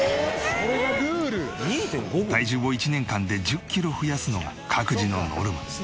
体重を１年間で１０キロ増やすのが各自のノルマ。